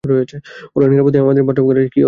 ওটা নিরাপদে আমার রুমে রাখা আছে, কি অদ্ভুত!